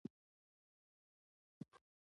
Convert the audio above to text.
مچان د اوبو سره هم کشش لري